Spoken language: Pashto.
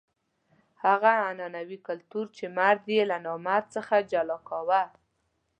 هغه عنعنوي کلتور چې مرد یې له نامرد څخه جلا کاوه.